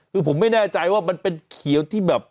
คือผมไม่แน่ใจว่ามันเป็นเขียวที่แบบ